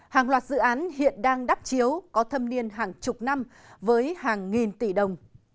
hàng loạt dự án hiện đang đắp chiếu có thâm niên hàng chục năm với hàng nghìn tỷ đồng